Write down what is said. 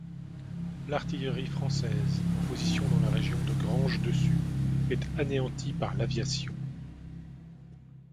L'artillerie française en position dans la région de Grange-Dessus est anéantie par l'aviation.